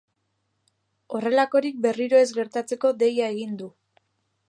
Horrelakorik berriro ez gertatzeko deia egin du.